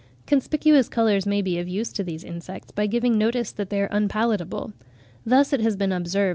Conspicuous colours may be of use to these insects, by giving notice that they are unpalatable. Thus it has been observed (46.